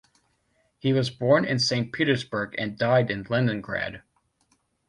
He was born in Saint Petersburg and died in Leningrad.